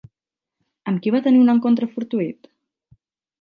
Amb qui va tenir un encontre fortuït?